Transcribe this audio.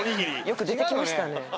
よく出てきましたね。